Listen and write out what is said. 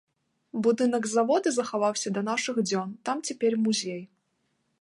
Будынак завода захаваўся да нашых дзён, там цяпер музей.